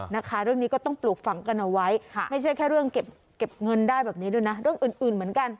นะคะเรื่องนี้ก็ต้องปลูกฝังกันเอาไว้ไม่ใช่แค่เรื่องเก็บเงินได้แบบนี้ด้วยนะเรื่องอื่นอื่นเหมือนกัน